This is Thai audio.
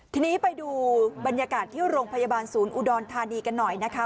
ทีนี้ไปดูบรรยากาศที่โรงพยาบาลศูนย์อุดรธานีกันหน่อยนะคะ